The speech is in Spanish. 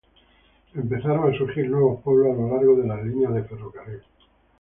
Empezaron a surgir nuevos pueblos a lo largo de las líneas de ferrocarril.